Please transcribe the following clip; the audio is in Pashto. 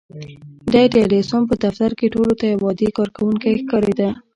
دی د ايډېسن په دفتر کې ټولو ته يو عادي کارکوونکی ښکارېده.